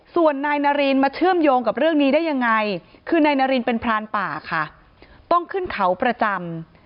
ส่วนนายนารินมาเชื่อมโยงกับเรื่องนี้ได้ยังไงคือนายนารินเป็นพรานป่าค่ะต้องขึ้นเขาประจำ